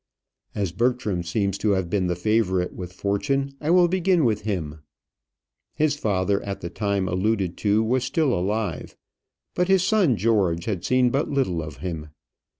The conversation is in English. As Bertram seems to have been the favourite with fortune, I will begin with him. His father at the time alluded to was still alive, but his son George had seen but little of him.